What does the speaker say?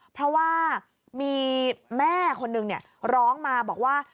เพราะว่ามีแม่คนนึงร้องมาบอกว่า